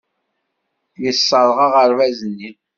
Yesserɣ aɣerbaz-nni.